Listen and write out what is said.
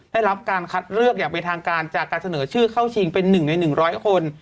ได้รับการคัดเลือกอย่างเป็นทางการจากการเสนอชื่อเข้าชิงเป็น๑ใน๑๐๐คน